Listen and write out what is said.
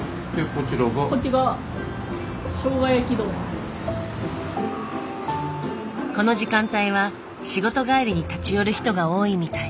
こっちがこの時間帯は仕事帰りに立ち寄る人が多いみたい。